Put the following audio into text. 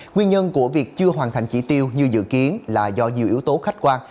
nguyên nhân của việc chưa hoàn thành chỉ tiêu như dự kiến là do nhiều yếu tố khách quan